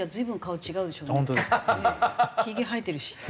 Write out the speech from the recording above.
ひげ生えてるし。